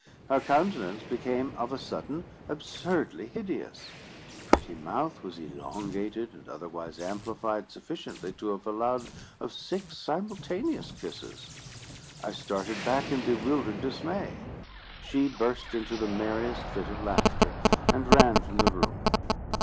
Her countenance became, of a sudden, absurdly hideous; the pretty mouth was elongated and otherwise amplified sufficiently to have allowed of six simultaneous kisses. I started back in bewildered dismay; she burst into the merriest fit of laughter, and ran from the room.